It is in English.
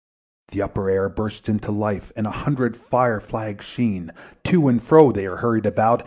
The upper air burst into life! And a hundred fire flags sheen, To and fro they were hurried about!